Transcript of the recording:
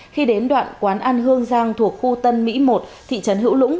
khi đến đoạn quán ăn hương giang thuộc khu tân mỹ một thị trấn hữu lũng